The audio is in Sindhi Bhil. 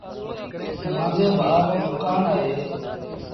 مآݩجي ڀآ رو دُڪآن اهي